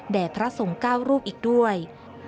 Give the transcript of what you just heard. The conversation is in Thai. แด่พระสงก้าวรูปอีกด้วย